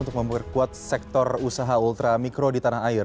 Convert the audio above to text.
untuk memperkuat sektor usaha ultramikro di tanah air